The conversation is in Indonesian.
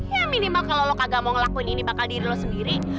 ya minimal kalau lo kagak mau ngelakuin ini bakal diri lo sendiri